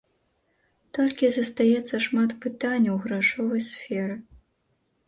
Толькі застаецца шмат пытанняў у грашовай сферы.